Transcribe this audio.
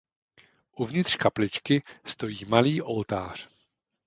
Uvnitř kapličky stojí malý oltář.